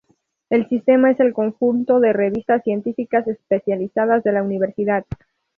El sistema es el conjunto de revistas científicas especializadas de la universidad.